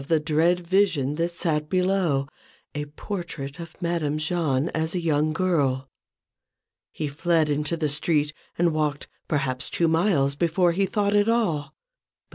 93 the dread vision that sat below : a portrait of Madame Jahn as a young girl. He fled into the street, and walked, perhaps two miles, before he thought at all.